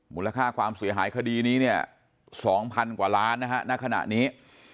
มูลค่าความเสียหายคดีนี้เนี่ย๒๐๐กว่าล้านนะฮะณขณะนี้